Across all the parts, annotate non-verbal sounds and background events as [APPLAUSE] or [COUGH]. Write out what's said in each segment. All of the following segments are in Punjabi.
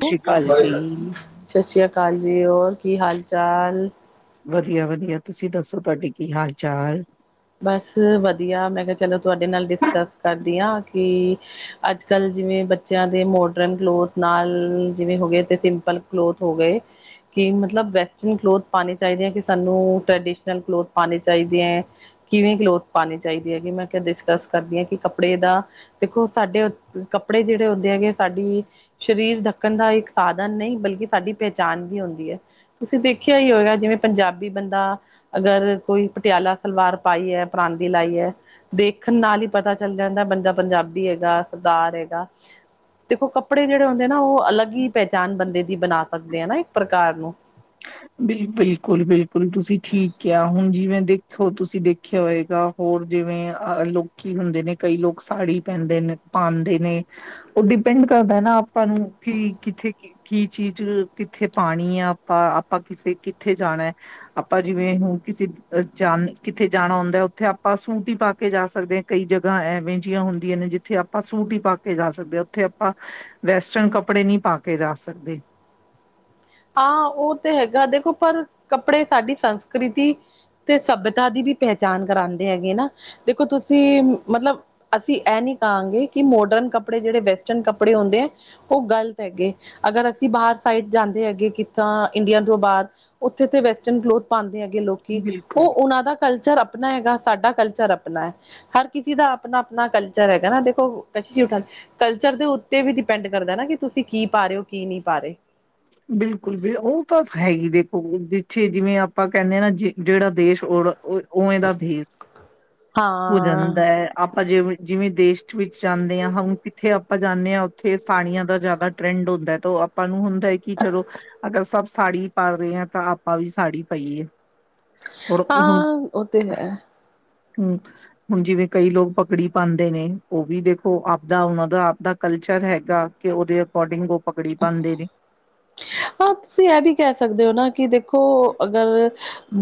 ਸਤਿ ਸ਼੍ਰੀ ਅਕਾਲ ਜੀ, ਸ਼ਸ੍ਰੀਆ ਕਾਲ ਜੀ ਹੋਰ ਕੀ ਹਾਲ ਚਾਲ। ਵਧੀਆ-ਵਧੀਆ ਤੁਸੀਂ ਦੱਸੋ ਤੁਹਾਡੇ ਕੀ ਹਾਲ ਚਾਲ। ਬਸ ਵਧੀਆ ਮੈਂ ਕਿਹਾ ਚਲੋ ਤੁਹਾਡੇ ਨਾਲ ਡਿਸਕਸ ਕਰਦੀ ਆ ਕਿ ਅੱਜ ਕੱਲ ਜਿਵੇਂ ਬੱਚਿਆਂ ਦੇ ਮੋਡਰਨ ਕਲੋਥ ਨਾਲ ਜਿਵੇਂ ਹੋ ਗਏ ਤੇ ਸਿੰਪਲ ਕਲੋਥ ਹੋ ਗਏ। ਕਿ ਮਤਲਬ ਵੈਸਟਰਨ ਕਲੋਥ ਪਾਨੇ ਚਾਹੀਦੇ ਏ ਕਿ, ਸਾਨੂੰ ਟ੍ਰੈਡੀਸ਼ਨਲ ਕਲੋਥ ਪਾਉਨੇ ਚਾਹੀਦੇ ਏ। ਕਿਵੇਂ ਕਲੋਥ ਪਾਉਣੀ ਚਾਹੀਦੀ ਹੈਗੀ, ਮੈਂ ਕਿਹਾ ਡਿਸਕਸ ਕਰਦੀ ਹਾਂ ਕਿ ਕੱਪੜੇ ਦਾ ਦੇਖੋ, ਸਾਡੇ ਓਥ ਕੱਪੜੇ ਜਿਹੜੇ ਹੁੰਦੇ ਹੈਗੇ ਸਾਡੀ ਸਰੀਰ ਢਕਣ ਦਾ ਇੱਕ ਸਾਧਨ ਨਈ, ਬਲਕਿ ਸਾਡੀ ਪਹਿਚਾਣ ਵੀ ਹੁੰਦੀ ਐ। ਤੁਸੀਂ ਦੇਖਿਆ ਹੀ ਹੋਏਗਾ, ਜਿਵੇਂ ਪੰਜਾਬੀ ਬੰਦਾ ਅਗਰ ਕੋਈ ਪਟਿਆਲਾ ਸਲਵਾਰ। ਪਾਈਏ, ਪਰਾਂਦੀ ਲਾਈ ਏ ਦੇਖਨ ਨਾਲ ਇ ਪਤਾ ਚੱਲ ਜਾਂਦਾ, ਬੰਦਾ ਪੰਜਾਬੀ ਹੈਗਾ ਸਰਦਾਰ ਹੈਗਾ। ਦੇਖੋ, ਕੱਪੜੇ ਜੇੜੇ ਹੁੰਦੇ ਆਨਾ ਉ ਅਲੱਗ ਈ ਪਹਿਚਾਣ ਬੰਦੇ ਦੀ ਬਣਾ ਸਕਦੇ ਆ ਨਾ ਇੱਕ ਪ੍ਰਕਾਰ ਨੂੰ ਬਿਲ ਬਿਲਕੁਲ ਬਿਲਕੁਲ, ਤੁਸੀਂ ਠੀਕ ਕਿਹਾ ਹੁਨ ਜਿਵੇਂ ਦੇਖੋ ਤੁਸੀਂ ਦੇਖਿਆ ਹੋਏਗਾ ਹੋਰ ਜਿਵੇਂ ਅ ਲੋਕੀ ਹੁੰਦੇ ਨੇ, ਕਈ ਲੋਕ ਸਾੜੀ ਪੈਂਦੇ ਨੇ ਪਾਉਦੇ ਨੇ। ਉਹ ਡਿਪੈਂਡ ਕਰਦਾ ਹੈ ਨਾ ਆਪਾਂ ਨੂੰ, ਕਿ ਕਿੱਥੇ ਕੀ ਕੀ ਚੀਜ਼ ਕਿੱਥੇ ਪਾਣੀ ਆ, ਆਪਾਂ ਆਪਾਂ ਕਿਸੇ ਕਿੱਥੇ ਜਾਣਾ ਏ। ਆਪਾਂ ਜਿਵੇਂ ਹੁਨ, ਕਿਸੇ ਜਾਨ ਕਿਥੇ ਜਾਨਾ ਹੁੰਦਾ ਓਥੇ ਆਪਾਂ ਸੂਟ ਈ ਪਾ ਕੇ ਜਾ ਸਕਦੇ। ਕਈ ਜਗਾਹ ਐਵੇ ਜਿਹੀਆਂ ਹੁੰਦੀਆਂ ਨੇ, ਜਿੱਥੇ ਆਪਾਂ ਸੂਟ ਹੀ ਪਾ ਕੇ ਜਾ ਸਕਦੇ ਆ ਓਥੇ ਆਪਾਂ ਵੈਸਟਰਨ ਕੱਪੜੇ ਨਹੀਂ ਪਾ ਕੇ ਜਾ ਸਕਦੇ। ਹਾਂ ਓਹ ਤੇ ਹੈਗਾ ਦੇਖੋ ਪਰ, ਕੱਪੜੇ ਸਾਡੀ ਸੰਸਕ੍ਰਿਤੀ ਤੇ ਸੱਭਅਤਾ ਦੀ ਵੀ ਪਹਿਚਾਣ ਕਰਾਂਦੇ ਹੈਗੇ ਨਾ, ਦੇਖੋ ਤੁਸੀਂ ਮਤਲਬ ਅਸੀਂ ਐਹ ਨੀ ਕਾਂਗੇ, ਕਿ ਮੋਡਰਨ ਕੱਪੜੇ ਜਿਹੜੇ ਵੈਸਟਰਨ ਕੱਪੜੇ ਹੁੰਦੇ ਏ। ਉਹ ਗ਼ਲਤ ਹੈਗੇ, ਅਗਰ ਅਸੀਂ ਬਾਹਰ ਸਾਈਡ ਜਾਂਦੇ ਅੱਗੇ ਕਿ ਕੀਤਾ ਇੰਡੀਆ ਤੋਂ ਬਾਹਰ, ਓਥੇ ਤੇ ਵੈਸਟਰਨ ਕਲੋਥ ਪਾਉਂਦੇ ਹੈਗੇ ਲੋਕੀ, ਓਹ ਬਿਲਕੁਲ ਉਹਨਾਂ ਦਾ ਕਲਚਰ ਆਪਨਾ ਹੈਗਾ ਸਾਡਾ ਕਲਚਰ ਆਪਨਾ ਐ। ਹਰ ਕਿਸੇ ਦਾ ਆਪਨਾ ਆਪਨਾ ਕਲਚਰ ਹੈਗਾ ਨਾ, ਦੇਖੋ [UNINTELLIGIBLE] ਕਲਚਰ ਦੇ ਉੱਤੇ ਵੀ ਡਿਪੈਂਡ ਕਰਦਾ ਨਾ, ਕਿ ਤੁਸੀਂ ਕੀ ਪਾ ਰਹੇ ਓ ਕੀ ਨਹੀਂ ਪਾ ਰਹੇ। ਬਿਲਕੁਲ, ਬਿਲ ਓਹ ਬਸ ਹੈ ਹੀ ਦੇਖੋ ਜਿੱਥੇ ਜਿਵੇਂ ਆਪਾਂ ਕਹਿੰਦੇ ਆਨਾ ਜਿਹੜਾ ਦੇਸ਼ ਔਰ ਓਓਵੇਂ ਦਾ ਭੇਸ। ਹਾਂ ਹੋ ਜਾਂਦਾ ਹੈ ਆਪਾਂ ਜਿਵੇਂ ਜਿਵੇਂ ਦੇਸ਼ ਵਿੱਚ ਜਾਂਦੇ ਆ, ਹੁਨ ਕਿੱਥੇ ਆਪਾਂ ਜਾਂਦੇ ਆ ਉੱਥੇ ਸਾੜੀਆਂ ਦਾ ਜ਼ਿਆਦਾ ਟਰੈਂਡ ਹੁੰਦਾ ਏ ਤੇ ਓਹ ਆਪਾਂ ਨੂੰ ਹੁੰਦਾ ਹੈ ਕਿ ਚਲੋ ਅਗਰ ਸਭ ਸਾੜੀ ਪਾ ਰਹੇ ਹੇ ਤਾਂ ਆਪਾਂ ਵੀ ਸਾੜੀ ਪਾਈਏ। ਹਾਂ, ਓਹ ਤੇ ਹੈ। ਹਮ। ਹੁਣ ਜਿਵੇਂ ਕਈ ਲੋਗ ਪਗੜੀ ਪਾਂਦੇ ਨੇ, ਉਵੀ ਦੇਖੋ ਆਪਦਾ ਉਨਾਂ ਦਾ ਆਪਦਾ ਕਲਚਰ ਹੈਗਾ, ਕਿ ਉਹਦੇ ਅਕੋਰਡਿੰਗ ਉਹ ਪਗੜੀ ਪਾਉਦੇ ਨੇ [INAUDIBLE] ਹਾਂ ਤੁਸੀਂ ਏ ਵੀ ਕੇ ਸਕਦੇ ਔ ਨਾ, ਕਿ ਦੇਖੋ ਅਗਰ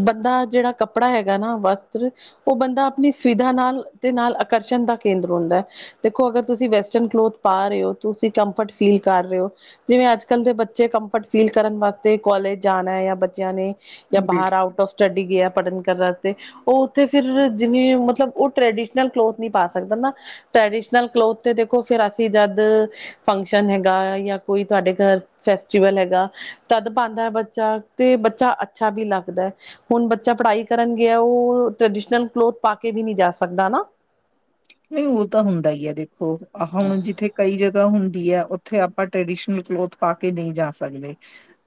ਬੰਦਾ ਜੇੜਾ ਕਪ ਕੱਪੜਾ ਹੈਗਾ ਨਾ ਵਸਤ੍ਰ, ਉ ਬੰਦਾ ਆਪਣੀ ਸੁਵਿਧਾ ਨਾਲ ਤੇ ਨਾਲ ਆਕਰਸ਼ਣ ਦਾ ਕੇਂਦਰ ਹੁੰਦਾ ਐ ਦੇਖੋ ਅਗਰ ਤੁਸੀਂ ਵੈਸਟਰਨ ਕਲੋਥ ਪਾ ਰਹੇ ਓ, ਤੁਸੀਂ ਕੰਫਰਟ ਫੀਲ ਕਰ ਰਹੇ ਓ। ਜਿਵੇਂ ਅੱਜ ਕੱਲ੍ਹ ਦੇ ਬੱਚੇ ਕੰਫਰਟ ਫੀਲ ਕਰਨ ਵਾਸਤੇ ਕੋਲੇਜ਼ ਜਾਨਾਏ ਯਾ ਬੱਚਿਆਂ ਨੇ ਜਾਂ ਬਿਲ- ਬਾਹਰ ਆਊਟ ਔਫ ਸਟਡੀ ਗਿਆ ਪੜਨ ਕਰਨ ਤੇ ਉਹ ਉੱਥੇ ਫਿਰ, ਜਿਵੇਂ ਮਤਲਬ ਉ ਟ੍ਰਡੀਸ਼ਨਲ ਕਲੋਥ ਨੀ ਪਾ ਸਕਦਾ ਨਾ ਟ੍ਰੈਡੀਸ਼ਨਲ ਕਲੋਥ ਤੇ ਦੇਖੋ, ਫਿਰ ਅਸੀਂ ਜਦ ਫੰਕਸ਼ਨ ਹੈਗਾ ਯਾ ਕੋਈ ਤੁਹਾਡੇ ਘਰ, ਫੈਸਟੀਵਲ ਹੈਗਾ। ਤਦ ਪਾਉਂਦਾ ਏ ਬੱਚਾ ਤੇ ਬੱਚਾ ਅੱਛਾ ਵੀ ਲੱਗਦਾ ਏ। ਹੁਣ ਬੱਚਾ ਪੜ੍ਹਾਈ ਕਰਨ ਗਿਆ, ਉਹ ਟ੍ਰਡੀਸ਼ਨਲ ਕਲੋਥ ਪਾ ਕੇ ਵੀ ਨੀ ਜਾ ਸਕਦਾ ਨਾ ਨਹੀਂ ਓਹ ਤਾਂ ਹੁੰਦਾ ਇ ਏ, ਦੇਖੋ ਆਹੋ ਹੁਨ ਜਿੱਥੇ ਕਈ ਜਗਾਹ ਹੁੰਦੀ ਐ ਉੱਥੇ ਆਪਾਂ ਟਰੈਡੀਸ਼ਨਲ ਕਲੋਥ ਪਾ ਕੇ ਨਈ ਜਾ ਸਕਦੇ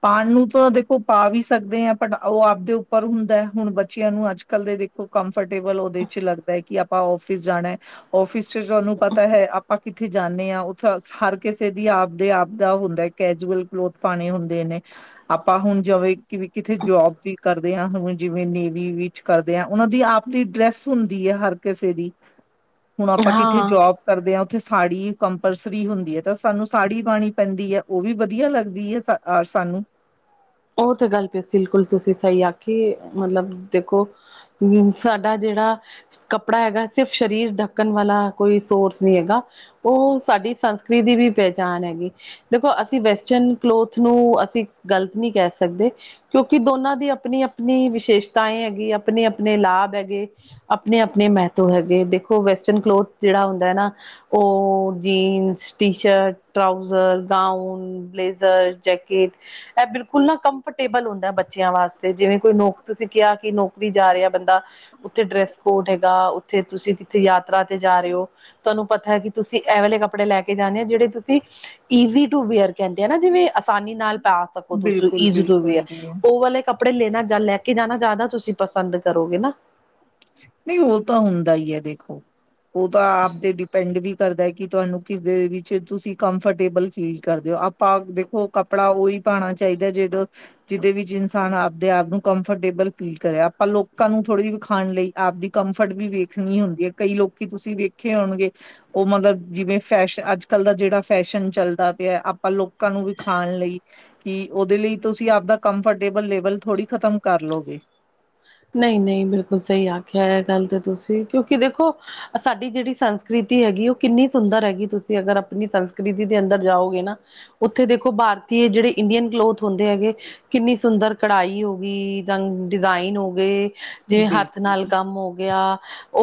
ਪਾਣ ਨੂੰ ਤੋ ਦੇਖੋ ਪਾ ਵੀ ਸਕਦੇ ਆ, ਬਟ ਉਹ ਆਪਦੇ ਉੱਪਰ ਹੁੰਦਾ ਏ ਹੁਣ ਬੱਚਿਆਂ ਨੂੰ ਅੱਜ ਕੱਲ ਦੇ ਦੇਖੋ ਕੰਫਰਟੇਬਲ ਉਦੇ ਚ ਲੱਗਦਾ ਏ ਕਿ ਆਪਾਂ ਔਫਿਸ ਜਾਣਾ ਹੈ ਔਫਿਸ ਫੇਰ ਤੁਹਾਨੂੰ ਪਤਾ ਹੈ ਆਪਾਂ ਕਿੱਥੇ ਜਾਂਦੇ ਹਾਂ ਉੱਥੇ ਹਰ ਕਿਸੇ ਦੀ ਆਪਦੇ ਆਪ ਦਾ ਹੁੰਦਾ ਕੈਜੂਅਲ ਕਲੋਥ ਪਾਣੇ ਹੁੰਦੇ ਨੇ। ਆਪਾਂ ਹੁਨ ਜੌਵੇਂ ਕਿਵੇ ਕਿਥੇ ਜੋਬ ਵੀ ਕਰਦੇ ਆ ਹੁਨ ਜਿਵੇਂ ਨੇਵੀ ਵਿੱਚ ਕਰਦੇ ਆ ਓਹਨਾਂ ਦੀ ਆਪ ਦੀ ਡਰੈਸ ਹੁੰਦੀ ਏ ਹਰ ਕਿਸੇ ਦੀ। ਹੁਣ ਆਪਾਂ ਕਿੱਥੇ ਹਾਂ ਜੋਬ ਕਰਦੇ ਆ ਉੱਥੇ ਸਾੜੀ ਕੰਪਲਸਰੀ ਹੁੰਦੀ ਏ ਤਾਂ ਸਾਨੂੰ ਸਾੜੀ ਪਾਣੀ ਪੈਂਦੀ ਏ ਉਵੀ ਵਧੀਆ ਲੱਗਦੀ ਐ ਸ ਆ ਸਾਨੂੰ ਉਹ ਤੇ ਗੱਲ ਪ ਬਿਲਕੁਲ ਤੁਸੀਂ ਸਹੀ ਆਖੀ ਮਤਲਬ ਦੇਖੋ ਹ ਸਾਡਾ ਜਿਹੜਾ ਕੱਪੜਾ ਹੈਗਾਏ ਸਿਰਫ ਸਰੀਰ ਧੱਕਣ ਵਾਲਾ ਕੋਈ ਸੋਰਸ ਨੀ ਹੈਗਾ। ਉਹ ਸਾਡੀ ਸੰਸਕ੍ਰਿ ਦੀ ਵੀ ਪਹਿਚਾਣ ਹੈਗੀ। ਦੇਖੋ ਅਸੀਂ ਵੈਸਟਰਨ ਕਲੋਥ ਨੂੰ ਅਸੀਂ ਗ਼ਲਤ ਨੀ ਕਹਿ ਸਕਦੇ। ਕਿਉਂਕਿ ਦੋਨਾਂ ਦੀ ਆਪਣੀ-ਆਪਣੀ ਵਿਸ਼ੇਸ਼ਤਾਏ ਹੈਗੀ ਆਪਣੇ ਆਪਣੇ ਲਾਭ ਹੈਗੇ। ਆਪਣੇ ਆਪਣੇ ਮਹੱਤਵ ਹੈਗੇ ਦੇਖੋ ਵੈਸਟਰਨ ਕਲੋਥ ਜੇੜਾ ਹੁੰਦਾ ਏ ਨਾ ਓਹ jeans, T shirt, trouser, gown, blazer jacket. ਇਹ ਬਿਲ ਖੁੱਲਾ ਕੰਫਰਟੇਬਲ ਹੁੰਦਾ ਬੱਚਿਆਂ ਵਾਸਤੇ ਜਿਵੇਂ ਕੋਈ ਨੌਕ ਤੁਸੀਂ ਕਿਹਾ ਕਿ ਨੌਕਰੀ ਜਾ ਰਿਹਾ ਬੰਦਾ। ਉੱਥੇ ਡਰੈਸ ਕੋਡ ਹੈਗਾ ਉੱਥੇ ਤੁਸੀਂ ਕਿੱਥੇ ਯਾਤਰਾ ਤੇ ਜਾ ਰਹੇ ਔ ਤੁਹਾਨੂੰ ਪਤਾ ਹੈ ਕਿ ਤੁਸੀਂ ਇਹ ਵਾਲੇ ਕੱਪੜੇ ਲੈ ਕੇ ਜਾਂਦੇ ਹੋ ਜਿਹੜੇ ਤੁਸੀ ਈਜ਼ੀ ਟੂ ਵੇਅਰ ਕੇਂਦੇ ਆਨਾ ਜਿਵੇਂ ਆਸਾਨੀ ਨਾਲ ਪਾ ਓ ਤੁਸੀਂ ਬਿਲਕੁਲ ਈਜੀ ਟੂ ਬਿਲਕੁਲ ਜੀ ਵੇਅਰ ਉਹ ਵਾਲੇ ਕੱਪੜੇ ਲੈਣਾ ਜਾ ਲੈ ਕੇ ਜਾਣਾ ਜਾਦਾ ਤੁਸੀਂ ਪਸੰਦ ਕਰੋਗੇ ਨਾ। ਨਈ ਉ ਤਾਂ ਹੁੰਦਾ ਈਏ ਦੇਖੋ ਉ ਤਾਂ ਆਪ ਦੇ ਡਿਪੈਂਡ ਵੀ ਕਰਦਾ ਏ ਕਿ ਤੁਆਨੂੰ ਕਿਸ ਦੇ ਵਿੱਚ ਤੁਸੀਂ ਕੰਫਰਟੇਬਲ ਫੀਲ ਕਰਦੇ ਔ ਆਪਾਂ ਵੇਖੋ ਕੱਪੜਾ ਉਹੀ ਪਾਉਣਾ ਚਾਹੀਦਾ ਜਿਦੋਂ ਜਿਦੇ ਵਿੱਚ ਇਨਸਾਨ ਆਪਦੇ ਆਪ ਨੂੰ ਕੰਫਰਟੇਬਲ ਫੀਲ ਕਰੇ ਆਪਾਂ ਲੋਕਾਂ ਨੂੰ ਥੋੜੀ ਵੱਖ ਖਾਨ ਲਈ ਆਪਦੀ ਕੰਫਰਟ ਵੀ ਵੇਖਨੀ ਹੁੰਦੀ ਏ ਕਈ ਲੋਕੀ ਤੁਸੀਂ ਵੇਖੇ ਹੋਨਗੇ ਓਹ ਮਤਲਬ ਜਿਵੇਂ ਫੈਸ਼ ਅੱਜ ਕੱਲ ਦਾ ਜਿਹੜਾ ਫੈਸ਼ਨ ਚੱਲਦਾ ਪਿਆ ਆਪਾਂ ਲੋਕਾਂ ਨੂੰ ਵੀਖਾਨ ਲਈ ਕਿ ਓਹਦੇ ਲਈ ਤੁਸੀ ਆਪਦਾ ਕੰਫਰਟੇਬਲ ਲੇਵਲ ਥੋੜੀ ਖਤਮ ਕਰ ਲੋਗੇ। ਨਹੀਂ-ਨਹੀਂ ਬਿਲਕੁਲ ਸਹੀ ਆਖਿਆ ਇਹ ਗੱਲ ਤਾਂ ਤੁਸੀ ਕਿਉਂਕਿ ਦੇਖੋ ਸਾਡੀ ਜੇੜੀ ਸੰਸਕ੍ਰਿਤੀ ਹੈਗੀ ਏ ਉ ਕਿੰਨੀ ਸੁੰਦਰ ਹੈਗੀ ਤੁਸੀਂ ਅਗਰ ਆਪਣੀ ਸੰਸਕ੍ਰਿਤੀ ਦੇ ਅੰਦਰ ਜਾਓਗੇ ਨਾ ਉੱਥੇ ਦੇਖੋ ਭਾਰਤੀ ਜਿਹੜੇ ਇੰਡੀਅਨ ਕਲੋਥ ਹੁੰਦੇ ਹੈਗੇ ਕਿੰਨੀ ਸੁੰਦਰ ਕੜਾਈ ਹੋ ਗੀ ਜਾਂ ਡਿਜ਼ਾਇਨ ਹੋ ਗਏ ਜਿਵੇਂ ਹੱਥ ਨਾਲ ਬਿਲਕੁਲ ਕੰਮ ਹੋ ਗਿਆ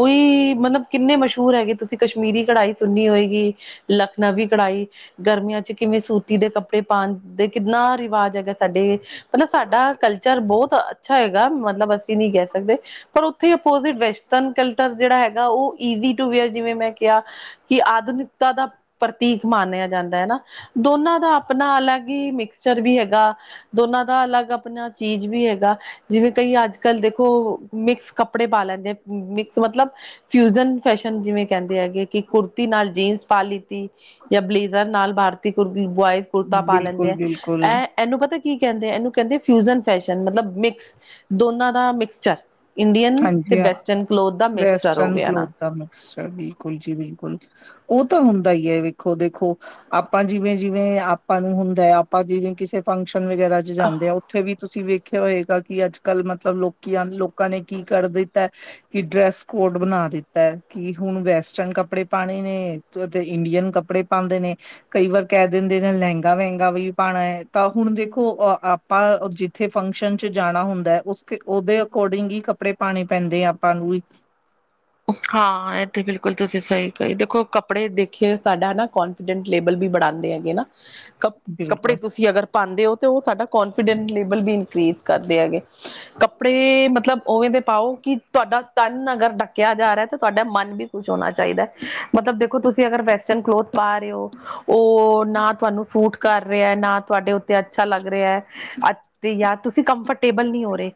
ਉਈ ਮਤਲਬ ਕਿੰਨੇ ਮਸ਼ਹੂਰ ਹੈਗੇ ਤੁਸੀਂ ਕਸ਼ਮੀਰੀ ਕਢਾਈ ਸੁਨੀ ਹੋਏਗੀ ਲਖਨਵੀ ਕਢਾਈ ਗਰਮੀਆਂ ਚ ਕਿਵੇਂ ਸੂਤੀ ਦੇ ਕੱਪੜੇ ਪਾਉਨ ਦੇ ਕਿੰਨਾ ਰਿਵਾਜ ਹੈਗਾ। ਸਾਡੇ ਮਤਲਬ ਸਾਡਾ ਕਲਚਰ ਬਹੁਤ ਅੱਛਾ ਹੈਗਾ ਮਤਲਬ ਅਸੀਂ ਨੀ ਕਹਿ ਸਕਦੇ ਪਰ ਉੱਥੇ ਅਪੋਜਿਟ ਵੈਸਟਰਨ ਕਲਤਲ ਜੇੜਾ ਹੈਗਾ ਉ ਇੱਜੀ ਟੁ ਵੇਅਰ ਜਿਵੇਂ ਮੈਂ ਕਿਯਾ ਕਿ ਆਧੁਨਿਕਤਾ ਦਾ ਪ੍ਰਤੀਕ ਮਾਨਿਆ ਜਾਂਦਾ ਏ ਨਾ। ਦੋਨਾਂ ਦਾ ਆਪਣਾ ਅਲੱਗ ਈ ਮਿਕਸਚਰ ਵੀ ਹੈਗਾ। ਦੋਨਾਂ ਦਾ ਅਲੱਗ ਆਪਨਾ ਚੀਜ਼ ਵੀ ਹੈਗਾ ਜਿਵੇਂ ਕਈ ਅੱਜ ਜ ਕਲ ਦੇਖੋ ਮਿਕਸ ਕੱਪੜੇ ਪਾ ਲੈਂਦੇ ਆ ਮਿਕਸ ਮਤਲਬ ਫਿਊਜਨ ਫੈਸ਼ਨ ਜਿਵੇਂ ਕਹਿੰਦੇ ਹੈਗੇ ਕਿ ਕੁੁਰਤੀ ਨਾਲ ਜੀਨਸ ਪਾ ਲਿਤੀ ਜਾਂ ਬਲੇਜ਼ਰ ਨਾਲ ਭਾਰਤੀ ਕੁਰ ਬੁਆਇ ਕੁੜਤਾ ਪਾਲਦੇ ਬਿਲਕੁਲ ਬਿਲਕੁਲ ਹੈ। ਇਹਨੂੰ ਪਤਾ ਕੀ ਕਹਿੰਦੇ ਆ ਇਹਨੂੰ ਕਹਿੰਦੇ ਆ ਫਿਊਜਨ ਫੈਸ਼ਨ ਮਤਲਵ ਮਿਕਸ ਦੋਨਾਂ ਦਾ ਮਿਕਸਚਰ। ਇੰਡੀਅਨ ਅਤੇ ਹਾਂਜੀ ਵੈਸਟਰਨ ਕਲੋਥ ਦਾ ਮਿਕਸਟਰ ਹੋ ਵੈਸਟਰਨ ਗਿਆ ਨਾ। ਕਲੋਥ ਦਾ ਮਿਕਸਚਰ ਬਿਲਕੁਲ ਜੀ ਬਿਲਕੁਲ ਉਹ ਤਾਂ ਹੁੰਦਾ ਹੀ ਹੈ ਵੇਖੋ ਦੇਖੋ। ਆਪਾਂ ਜਿਵੇਂ-ਜਿਵੇਂ ਆਪਾਂ ਨੂੰ ਹੁੰਦਾ ਹੈ ਆਪਾਂ ਜਿਵੇਂ ਕਿਸੇ ਫੰਕਸ਼ਨ ਵਗੈਰਾ ਚ ਜਾਂਦੇ ਆ ਉੱਥੇ ਵੀ ਤੁਸੀਂ ਵੇਖਿਆ ਹੋਏਗਾ ਕਿ ਅੱਜ ਕੱਲ੍ਹ ਮਤਲਬ ਲੋਕੀ ਆ ਲੋ ਕਾਂ ਨੇ ਕੀ ਕਰ ਦਿੱਤਾ। ਕਿ ਡਰੈਸ ਕੋਡ ਬਣਾ ਦਿੱਤਾ ਹੈ ਕਿ ਹੁਣ ਵੈਸਟਰਨ ਕੱਪੜੇ ਪਾਣੇ ਨੇ। ਤੁਹਾਡੇ ਇੰਡੀਅਨ ਕੱਪੜੇ ਪਾਉਂਦੇ ਨੇ ਕਈ ਵਾਰ ਕਹਿ ਦਿੰਦੇ ਨੇ ਲਹਿੰਗਾ ਵਹਿੰਗਾ ਵੀ ਪਾਉਣਾ ਹੈ ਤਾਂ ਹੁਣ ਦੇਖੋ ਅ ਆਪਾਂ ਜਿੱਥੇ ਫੰਕਸ਼ਨ 'ਚ ਜਾਣਾ ਹੁੰਦਾ ਉਸ ਉਹਦੇ ਅਕੋਰਡਿੰਗ ਹੀ ਕੱਪੜੇ ਪਾਉਣੇ ਪੈਂਦੇ ਆ ਆਪਾਂ ਨੂੰ ਵੀ ਹਾਂ ਇਹ ਤੇ ਬਿਲਕੁਲ ਤੁਸੀਂ ਸਹੀ ਕਹੀ ਦੇਖੋ ਕੱਪੜੇ ਦੇਖਿਏ ਸਾਡਾ ਨਾ ਕੌਨ ਟ ਲੇਬਲ ਵੀ ਬਣਾਉਂਦੇ ਹੈਗੇ ਨਾ। ਕੱਪ, ਕਪੜੇ ਬਿਲਕੁਲ, ਤੁਸੀਂ ਅਗਰ ਪਾਉਂਦੇ ਹੋ ਤਾਂ ਉਹ ਸਾਡਾ ਕੋਂਨਫੀਡੈਂਸ ਲੇਵਲ ਵੀ ਇਨਕਰੀਜ਼ ਕਰਦੇ ਹੈਗੇ। ਕੱਪੜੇ ਮਤਲਬ ਉਵੇਂ ਦੇ ਪਾਓ, ਕਿ ਤੁਹਾਡਾ ਤਨ ਅਗਰ ਡ ਕਿਹਾ ਜਾ ਰਿਹਾ ਤਾਂ ਤੁਹਾਡਾ ਮਨ ਵੀ ਖੁਸ਼ ਹੋਣਾ ਚਾਹੀਦਾ, ਮਤਲਬ ਦੇਖੋ ਤੁਸੀਂ ਅਗਰ ਵੈਸਟਰਨ ਕਲੋਥ ਪਾ ਰਹੇ ਹੋ। ਉਹ ਨਾ ਤੁਹਾਨੂੰ ਸੂਟ ਕਰ ਰਿਹਾ, ਨਾ ਤੁਹਾਡੇ ਉੱਤੇ ਅੱਛਾ ਲੱਗ ਰਿਹਾ। ਅ ਯ ਤੁਸੀਂ ਕੰਫਰਟੇਬਲ ਨਹੀਂ ਹੋ ਰਹੇ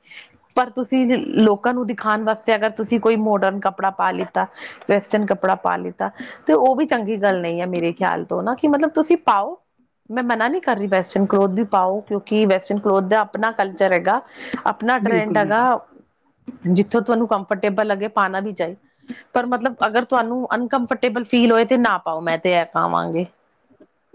ਪਰ ਤੁਸੀਂ ਲੋਕਾਂ ਨੂੰ ਦਿਖਾਉਣ ਵਾਸਤੇ ਅਗਰ ਤੁਸੀਂ ਕੋਈ ਮੋਡਰਨ ਕੱਪੜਾ ਪਾ ਲਿੱਤਾ। ਵੈਸਟਰਨ ਕੱਪੜਾ ਪਾ ਲਿੱਤਾ। ਤੇ ਉਹ ਵੀ ਚੰਗੀ ਗੱਲ ਨਹੀਂ ਹੈ ਮੇਰੇ ਖਿਆਲ ਤੋਂ ਨਾ ਕਿ ਮਤਲਬ ਤੁਸੀਂ ਪਾਓ। ਮੈਂ ਮਨਾ ਨਹੀਂ ਕਰ ਰਹੀ ਵੈਸਟਰਨ ਕਲੋਥ ਵੀ ਪਾਓ ਕਿਉਂਕਿ ਵੈਸਟਰਨ ਕਲੋਥ ਦਾ ਆਪਣਾ ਕਲਚਰ ਹੈਗਾ। ਆਪਣਾ ਟਰੈਂਡ ਬਿਲਕੁਲ, ਹੈਗਾ, ਬਿਲਕੁਲ। ਜਿੱਥੋਂ ਤੁਹਾਨੂੰ ਕੰਫਰਟੇਬਲ ਲਗੇ ਪਾਉਣਾ ਵੀ ਚਾਹੀ। ਪਰ ਮਤਲਬ ਅਗਰ ਤੁਹਾਨੂੰ ਅਨਕੰਫਰਟੇਬਲ ਫੀਲ ਹੋਏ ਤੇ ਨਾ ਪਾਓ ਮੈਂ ਤੇ ਇਹ ਕਹਾਂਗੀ।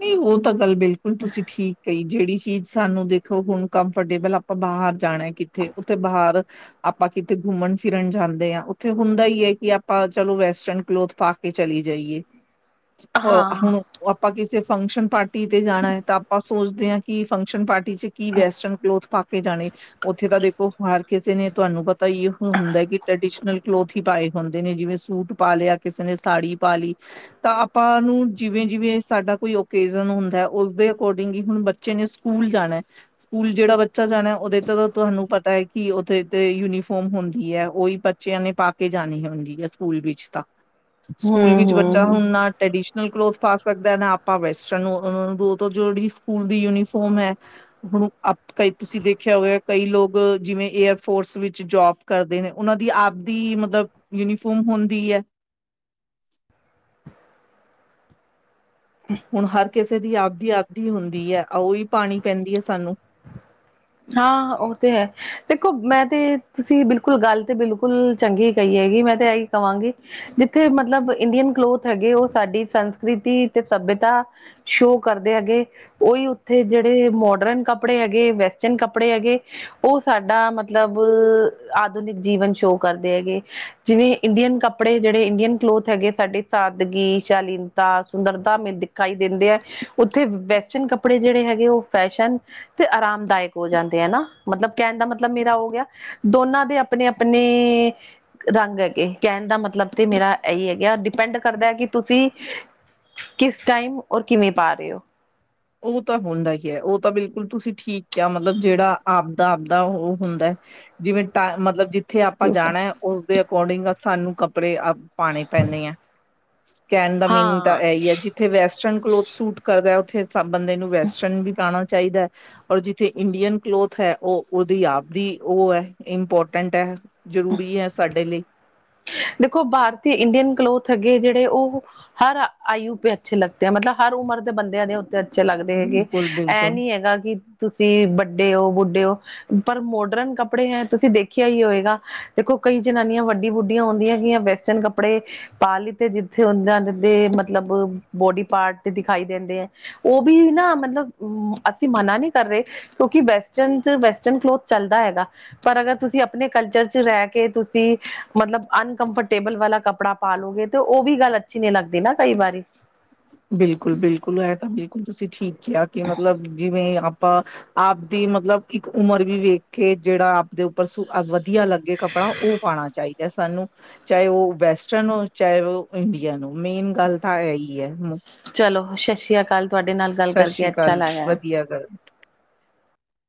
ਨਹੀਂ ਉਹ ਤਾਂ ਗੱਲ ਬਿਲਕੁਲ ਤੁਸੀਂ ਠੀਕ ਕਹੀ ਜਿਹੜੀ ਚੀਜ਼ ਸਾਨੂੰ ਦੇਖੋ ਹੁਣ ਕੰਫਰਟੇਬਲ ਆਪਾਂ ਬਾਹਰ ਜਾਣਾ ਕਿੱਥੇ, ਉੱਥੇ ਬਾਹਰ ਆਪਾਂ ਕਿਤੇ ਘੁੰਮਣ ਫਿਰਨ ਜਾਂਦੇ ਹਾਂ, ਉੱਥੇ ਹੁੰਦਾ ਹੀ ਹੈ ਕਿ ਆਪਾਂ ਚਲੋ ਵੈਸਟਰਨ ਕਲੋਥ ਪਾ ਕੇ ਚਲੀ ਜਾਈਏ। [INAUDIBLE] ਹੁਣ ਆਪਾਂ ਕਿਸੇ ਫੰਕਸ਼ਨ ਪਾਰਟੀ ਤੇ ਜਾਣਾ ਹੈ ਤਾਂ ਆਪਾਂ ਸੋਚਦੇ ਹਾਂ ਕਿ ਫੰਕਸ਼ਨ ਪਾਰਟੀ- ਤੁਸੀ ਕੀ ਵੈਸਟਰਨ ਕਲੋਥ ਪਾ ਕੇ ਜਾਣੇ। ਉੱਥੇ ਤਾਂ ਦੇਖੋ ਹਰ ਕਿਸੇ ਨੇ ਤੁਹਾਨੂੰ ਪਤਾ ਹੀ ਹੁੰਦਾ ਹੈ ਕਿ ਟ੍ਰਡੀਸ਼ਨਲ ਕਲੋਥ ਹੀ ਪਾਏ ਹੁੰਦੇ ਨੇ ਜਿਵੇਂ ਸੂਟ ਪਾ ਲਿਆ, ਕਿਸੇ ਨੇ ਸਾੜੀ ਪਾ ਲਈ ਤਾਂ ਆਪਾਂ ਨੂੰ ਜਿਵੇਂ -ਜਿਵੇਂ ਸਾਡਾ ਕੋਈ ਰਿਜਨ ਹੁੰਦਾ, ਉਸਦੇ ਅਕੋਰਡਿੰਗ ਹੀ ਹੁਣ ਬੱਚੇ ਨੇ ਸਕੂਲ ਜਾਣਾ ਸਕੂਲ ਜਿਹੜਾ ਬੱਚਾ ਜਾਣਾ ਉਹਦੇ ਤੇ ਤੁਹਾਨੂੰ ਪਤਾ ਹੈ ਕਿ ਓਥੇ ਤੇ ਯੂਨੀਫੋਮ ਹੁੰਦੀ ਹੈ। ਓਹੀ- ਲ਼ੀ ਨੇ ਪਾ ਕੇ ਜਾਣੀ ਹੁੰਦੀ ਹੈ ਸਕੂਲ ਵਿੱਚ ਤਾਂ। ਹ ਸਕੂਲ ਵਿੱਚ ਬੱਚਾ ਹੁਣ ਨਾ ਟ੍ਰੈਡੀਸ਼ਨਲ ਕਲੋਥ ਪਾ ਸਕਦਾ ਨਾ ਆਪ ਭਾਵ ਵੈਸਟਰਨ ਨੂੰ ਉਹ ਤ ਜਿਹੜੀ ਸਕੂਲ ਦੀ ਯੂਨੀਫਾਰਮ ਹੈ। ਹੁਣ ਕਈ ਤੁਸੀਂ ਦੇਖਿਆ ਹੋਇਆ ਕਈ ਲੋਕ ਜਿਵੇਂ ਏਅਰ ਫੋਰਸ ਵਿੱਚ ਜੋਬ ਕਰਦੇ ਨੇ, ਉਹਨਾਂ ਦੀ ਆਪ ਦੀ ਮਤਲਬ ਯੂਨੀਫਾਰਮ ਹੁੰਦੀ ਹੈ ਹੁਣ ਹਰ ਕਿਸੇ ਦੀ ਆਪਦੀ, ਆਪਦੀ ਹੁੰਦੀ ਹੈਓਹੀ ਪਾਉਣੀ ਪੈਂਦੀ ਹੈ ਸਾਨੂੰ। ਹਾਂ ਉਹ ਤੇ ਹੈ, ਦੇਖੋ ਮੈਂ ਤੇ ਤੁਸੀਂ ਬਿਲਕੁਲ ਗੱਲ ਤੇ ਬਿਲਕੁਲ। ਚੰਗੀ ਕਹੀ ਹੈਗੀ, ਮੈਂ ਤੇ ਇਹੀ ਕਹਾਂਗੀ ਜਿੱਥੇ ਮਤਲਬ ਇੰਡੀਅਨ ਕਲੋਥ ਹੈਗੇ, ਉਹ ਸਾਡੀ ਸੰਸਕ੍ਰਿਤੀ ਤੇ ਸੱਭਿਅਤਾ ਸ਼ੋ ਕਰਦੇ ਹੈਗੇ ਉਹੀ ਉੱਥੇ ਜਿਹੜੇ ਮੋਡਰਨ ਕੱਪੜੇ ਹੈਗੇ ਵੈਸ- ਜਿੰਨ ਕੱਪੜੇ ਹੈਗੇ ਉਹ ਸਾਡਾ ਮਤਲਬ, ਆਧੁਨਿਕ ਜੀਵਨ ਸ਼ੋਅ ਕਰਦੇ ਹੈਗੇ। ਜਿਵੇਂ ਇੰਡੀਅਨ ਕੱਪੜੇ ਜਿਹੜੇ ਇੰਡੀਅਨ ਕਲੋਥ ਹੈਗੇ ਸਾਡੀ ਸਾਦਗੀ, ਸ਼ਾਲੀਨਤਾ, ਸੁੰਦਰਤਾ, ਮਿੱਦ। ਦਿਖਾਈ ਦਿੰਦੇ ਹੈ, ਉੱਥੇ ਵੈਸਟਰਨ ਕੱਪੜੇ ਜਿਹੜੇ ਹੈਗੇ ਉਹ ਫੈਸ਼ਨ ਤੇ ਆਰਾਮਦਾਇਕ। ਹੋ ਜਾਂਦੇ ਹਨਾ, ਮਤਲਬ ਕਹਿਣ ਦਾ ਮਤਲਬ ਮੇਰਾ ਹੋ ਗਿਆ ਦੋਨਾਂ ਦੇ ਆਪਣੇ, ਆਪਣੇ ਰੰਗ ਹੈਗੇ, ਕਹਿਣ ਦਾ ਮਤਲਬ ਤੇ ਮੇਰਾ ਇਹੀ ਹੈਗਾ ਡਿਪੈਂਡ ਕਰਦਾ ਕਿ ਤੁਸੀਂ ਕਿਸ ਟਾਈਮ ਔਰ ਕਿਵੇਂ ਪਾ ਰਹੇ ਹੋ। ਉਹ ਤਾਂ ਹੁੰਦਾ ਹੀ ਹੈ, ਉਹ ਤਾਂ ਬਿਲਕੁਲ ਤੁਸੀਂ ਠੀਕ ਕਿਹਾ ਮਤਲਬ ਜਿਹੜਾ ਆਪਦਾ, ਆਪਦਾ ਉਹ ਹੁੰਦਾ ਜਿਵੇਂ ਤ ਮਤਲਬ ਜ ਜਿਥੇ ਆਪਾਂ ਹੋ ਜਾਣਾ ਹੈ ਉਸਦੇ ਅਕੋਰਡਿੰਗ ਸਾਨੂੰ ਕੱਪੜੇ ਪਾਉਣੇ ਪੈਂਣੇ ਆ। ਕਹਿਣ ਦਾ ਮੀਨਿੰਗ ਤਾਂ ਹਾਂ ਇਹ ਹੀ ਹੈ ਜੀ। ਜਿਥੇ ਵੈਸਟਰਨ ਕਲੋਥ ਸੂਟ ਕਰਦਾ, ਉੱਥੇ ਸਭ ਬੰਦੇ ਨੂੰ ਵੈਸਟਰਨ ਵੀ ਪਾਣਾ ਚਾਹੀਦਾ ਹੈ। ਔਰ ਜਿੱਥੇ ਇੰਡੀਅਨ ਕਲੋਥ ਹੈ ਉਹ ਉਹਦੀ ਆਪਦੀ ਉਹ ਹੈ ਇੰਪੋਰਟੈਂਟ ਹੈ। ਜ਼ਰੂਰੀ ਹੈ ਸਾਡੇ ਲਈ ਦੇਖੋ ਭਾਰਤੀ ਇੰਡੀਅਨ ਕਲੋਥ ਅਗੇ ਜਿਹੜੇ ਉਹ, ਹਰ ਆਯੂ ਪ ਅੱਛੇ ਲੱਗ। ਮਤਲਬ ਹਰ ਉਮਰ ਦੇ ਬੰਦਿਆਂ ਦੇ ਉੱਤੇ ਅੱਛੇ ਲੱਗਦੇ ਹੈਗੇ। ਬਿਲਕੁਲ ਇਹ ਬਿਲਕੁਲ ਨੀ ਹੈਗਾ ਕਿ- ਤੁਸੀਂ ਵੱਡੇ ਹੋ ਬੁੱਢੇ ਹੋ ਪਰ ਮੋਡਰਨ ਕੱਪੜੇ ਹੈ ਤੁਸੀਂ ਦੇਖਿਆ ਹੀ ਹੋਏਗਾ, ਦੇਖੋ ਕਈ ਜਨਾਨੀਆਂ ਵੱਡੀ ਬੁੱਢ ਬੁੱਢੀਆਂ ਹੁੰਦੀਆਂ ਗਈਆ ਵੈਸਟਰਨ ਕੱਪੜੇ ਪਾਲੀ ਤੇ ਜਿੱਥੇ ਉਹਦਾਂ ਦੇ ਮਤਲਬ ਬੋਡੀ ਪਾਰਟ ਦਿਖਾਈ ਦਿੰਦੇ ਐ। ਉਹ ਵੀ ਨਾ ਮਤਲਬ ਅਸੀਂ ਮਨਾ ਨਹੀਂ ਕਰ ਰਏ ਕਿਉਂਕਿ ਵੈਸਚਨ 'ਚ' ਵੈਸਚਨ ਕਲੋਥ ਚੱਲਦਾ ਹੈਗਾ। ਪਰ ਅਗਰ ਤੁਸੀਂ ਆਪਣੇ ਕਲਚਰ ਚ ਰਹਿ ਕੇ ਤੁਸੀਂ। ਮਤਲਬ ਅਨਕੰਫਰਟੇਬਲ ਵਾਲਾ ਕੱਪੜਾ ਪਾਲੋਗੇ ਤਾ ਉਹ ਵੀ ਗੱਲ ਅੱਛੀ ਨੀ ਲੱਗਦੀ ਨਾ ਕਈ ਵਾਰੀ। ਬਿਲਕੁਲ ਬਿਲਕੁਲ ਇਹ ਤਾਂ ਬਿਲਕੁਲ ਤੁਸੀਂ ਠੀਕ ਕਿਹਾ ਕਿ ਮਤਲਬ ਜਿਵੇਂ ਆਪਾਂ ਆਪਦੀ ਮਤਲਬ ਇੱਕ ਉਮਰ ਵੀ ਵੇਖ ਕੇ ਜਿਹੜਾ ਆਪਦੇ ਉੱਪਰ ਵਧੀਆ ਲੱਗੇ ਕੱਪੜਾ ਓ ਪਾਣਾ ਚਾਈਦੈ ਸਾਨੂੰ। ਚਾਹੇ ਉਹ ਵੈਸਟਰਨ ਹੋ, ਚਾਹੇ ਉਹ ਇੰਡੀਅਨ ਹੋ ਮੇਨ ਗੱਲ ਤਾਂ ਇਹੀ ਹੈ। ਚਲੋ ਸ਼ਸ਼ ਸੀ਼ ਆਕਾਲ ਤੁਹਾਡੇ ਨਾਲ ਗੱਲ ਸਤਿ ਕਰਕੇ ਸ੍ਰੀ ਅੱਛਾ ਅਕਾਲ ਲਾਇਆ। ਵਧੀਆ ਗੱਲ